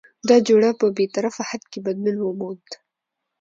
دا جوړه په بې طرفه حد کې بدلون وموند؛